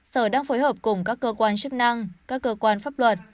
sở đang phối hợp cùng các cơ quan chức năng các cơ quan pháp luật